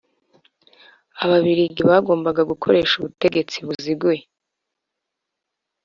Ababiligi bagombaga gukoresha ubutegetsi buziguye